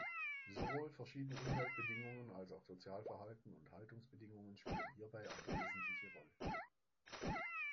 Sowohl verschiedene Umweltbedingungen, als auch Sozialverhalten und Haltungsbedingungen spielen hierbei eine wesentliche Rolle.